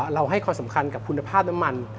ให้ความสำคัญกับคุณภาพน้ำมัน